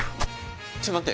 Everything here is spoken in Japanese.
ちょっと待って。